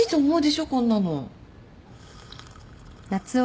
こんなの。